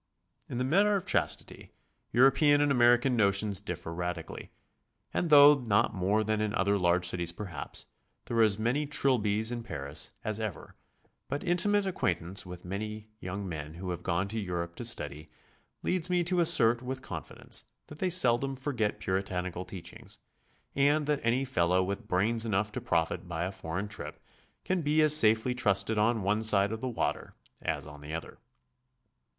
In the matter of chastity, European and American notions differ radically, and though not more than in other large cities perhaps, there are as many Trilbys in Paris as ever, but intimate acquaintance with many young men who have gone to Europe to study, leads me to assert with con fidence that they seldom forget Puritanical teachings, and that any fellow with brains enough to profit by a foreign trip can be as safely trusted on one side of the water as on the other.